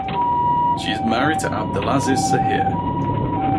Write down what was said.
She is married to Abdelaziz Sahere.